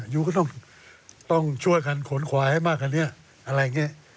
ยูก็ต้องช่วยกันขนขวาให้มากกว่านี้อะไรอย่างนี้